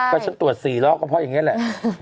ก็ฉันตรวจ๔ล้อก็เพราะอย่างนี้แหละ